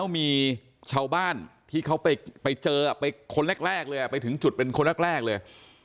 มีชาวบ้านที่เขาไปเจอไปคนแรกเลยไปถึงจุดเป็นคนแรกเลย